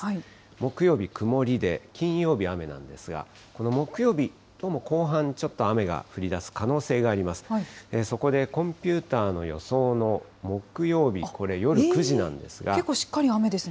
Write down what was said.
木曜日曇りで、金曜日、雨なんですが、この木曜日、後半ちょっと雨が降りだす可能性があります。